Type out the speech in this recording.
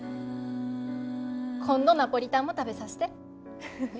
今度ナポリタンも食べさせて。